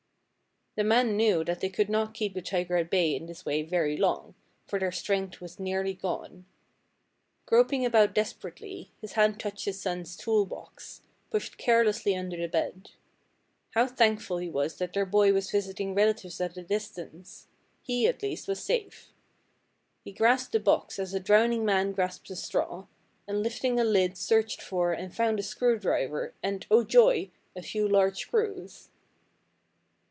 "The man knew that they could not keep the tiger at bay in this way very long, for their strength was nearly gone. Groping about desperately, his hand touched his son's tool box, pushed carelessly under the bed. How thankful he was that their boy was visiting relatives at a distance. He, at least, was safe. He grasped the box as a drowning man grasps a straw, and lifting a lid searched for and found a screw driver, and, oh, joy! a few large screws.